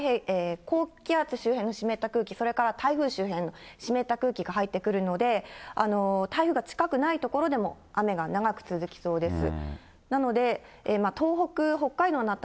高気圧周辺に湿った空気、それから台風周辺、湿った空気が入ってくるので、台風が近くない所でも、雨が長く続きそうです。